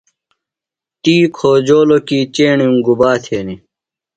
تی کھوجولو کی چیݨِم گُبا تھینی ۔